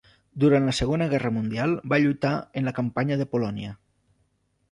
Durant la Segona Guerra Mundial va lluitar en la Campanya de Polònia.